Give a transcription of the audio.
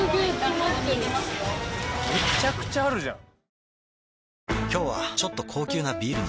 めちゃくちゃあるじゃん。